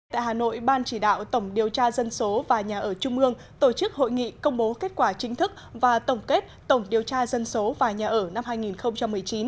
tại hà nội ban chỉ đạo tổng điều tra dân số và nhà ở trung ương tổ chức hội nghị công bố kết quả chính thức và tổng kết tổng điều tra dân số và nhà ở năm hai nghìn một mươi chín